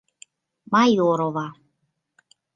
— Майорова.